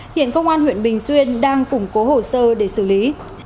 hiện công an huyện bình xuyên đang củng cố hồ sơ để xử lý